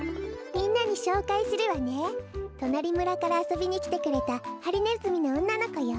みんなにしょうかいするわね。となりむらからあそびにきてくれたハリネズミのおんなのこよ。